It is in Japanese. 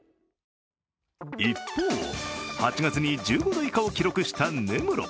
一方、８月に１５度以下を記録した根室。